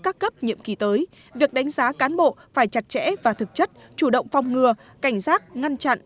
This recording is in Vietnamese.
các cấp nhiệm kỳ tới việc đánh giá cán bộ phải chặt chẽ và thực chất chủ động phong ngừa cảnh giác ngăn chặn